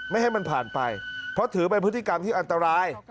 ไม่ให้มันผ่านไปเพราะถือเป็นพฤติกรรมที่อันตราย